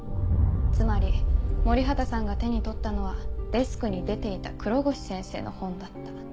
つまり森畑さんが手に取ったのはデスクに出ていた黒越先生の本だった。